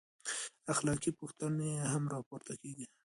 اخلاقي پوښتنې هم راپورته کېږي.